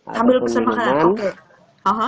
ambil pesan makanan kopi